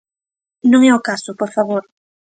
Non é o caso, ¡por favor!